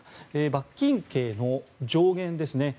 罰金刑の上限ですね。